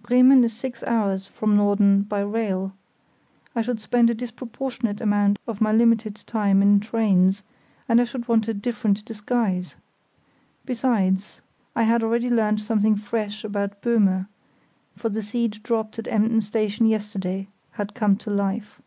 Bremen is six hours from Norden by rail. I should spend a disproportionate amount of my limited time in trains, and I should want a different disguise. Besides, I had already learnt something fresh about Böhme; for the seed dropped at Emden Station yesterday had come to life.